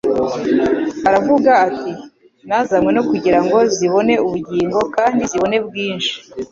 Aravuga ati: «...nazanywe no kugira ngo zibone ubugingo kandi zibone bwinshi.»